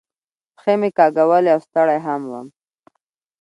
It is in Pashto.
پښې مې کاږولې او ستړی هم ووم.